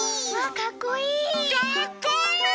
かっこいい！